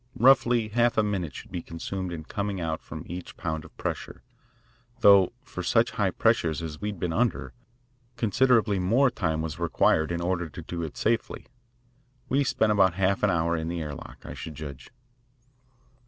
Roughly, half a minute should be consumed in coming out from each pound of pressure, though for such high pressures as we had been under, considerably more time was required in order to do it safely. We spent about half an hour in the air lock, I should judge.